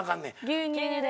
牛乳で。